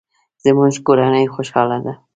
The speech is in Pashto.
زموږ کورنۍ خوشحاله ده